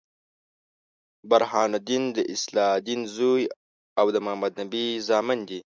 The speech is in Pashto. برهان الدين د صلاح الدین زوي او د محمدنبي زامن دي.